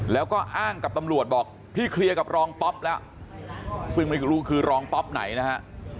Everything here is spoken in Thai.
แล้วก็อ้างกับตำรวจบอกพี่เคลียร์กับรองป๊อปแล้วซึ่งไม่รู้คือรองป๊อปไหนนะฮะ